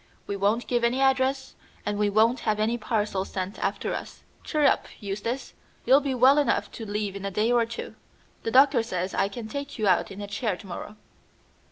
We won't give any address, and we won't have any parcels sent after us. Cheer up, Eustace! You'll be well enough to leave in a day or two. The doctor says I can take you out in a chair to morrow."